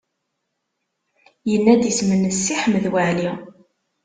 Yenna-d isem-nnes Si Ḥmed Waɛli.